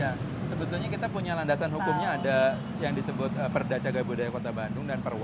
ya sebetulnya kita punya landasan hukumnya ada yang disebut perda caga budaya kota bandung